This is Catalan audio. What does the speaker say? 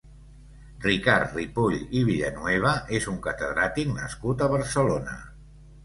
Ricard Ripoll i Villanueva és un catedràtic nascut a Barcelona.